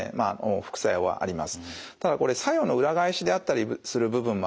副作用はあります。